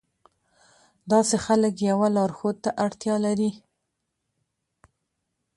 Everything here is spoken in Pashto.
داسې خلک يوه لارښود ته اړتيا لري.